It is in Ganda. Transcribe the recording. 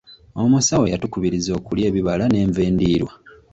Omusawo yatukubiriza okulya ebibala n'enva endiirwa.